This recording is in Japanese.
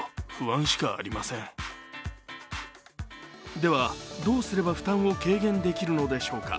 では、どうすれば負担を軽減できるのでしょうか。